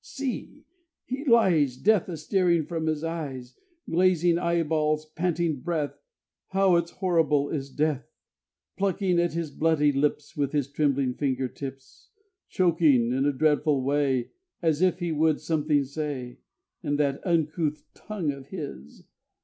See! He lies Death a staring from his eyes; Glazing eyeballs, panting breath, How it's horrible, is Death! Plucking at his bloody lips With his trembling finger tips; Choking in a dreadful way As if he would something say In that uncouth tongue of his.